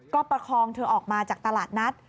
ก็ประคองเธอออกมาจากตลาดนัด